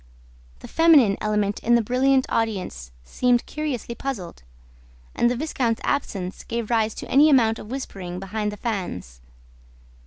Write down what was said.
The feminine element in the brilliant audience seemed curiously puzzled; and the viscount's absence gave rise to any amount of whispering behind the fans.